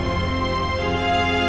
aku akan siap